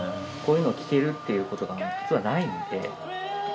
こういうの聴けるっていうことがないんで。